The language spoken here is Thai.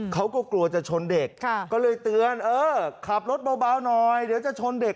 เขาก็กลัวจะชนเด็กก็เลยเตือนเออขับรถเบาหน่อยเดี๋ยวจะชนเด็ก